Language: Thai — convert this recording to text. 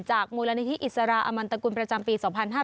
มูลนิธิอิสราอมันตกุลประจำปี๒๕๕๙